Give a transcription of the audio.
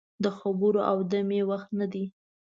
د خبرو او دمې وخت نه دی.